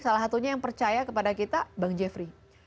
salah satunya yang percaya kepada kita bang jeffrey